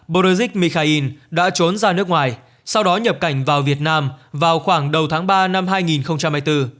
borizik mikhail đã trốn ra nước ngoài sau đó nhập cảnh vào việt nam vào khoảng đầu tháng ba năm